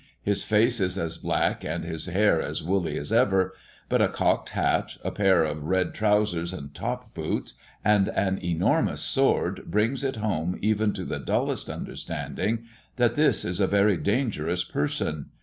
His face is as black and his hair as woolly as ever; but a cocked hat, a pair of red trousers and top boots, and an enormous sword, brings it home even to the dullest understanding, that this is a very dangerous person!